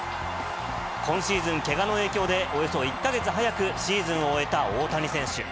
今シーズン、けがの影響でおよそ１か月早くシーズンを終えた大谷選手。